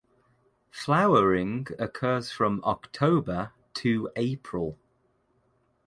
Flowering occurs from October to April.